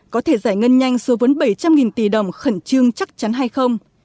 có thể giải ngân nhanh số vốn bảy trăm linh tỷ đồng khẩn trương chắc chắn hay không